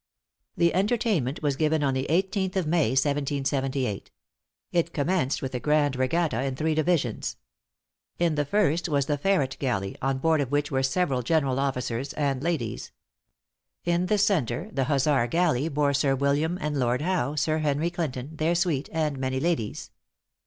The entertainment was given on the 18th of May, 1778. It commenced with a grand regatta, in three divisions. In the first was the Ferret galley, on board of which were several general officers and ladies. In the centre, the Hussar galley bore Sir William and Lord Howe, Sir Henry Clinton, their suite, and many ladies.